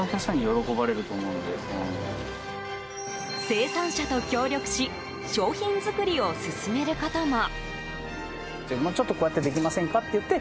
生産者と協力し商品作りを進めることも。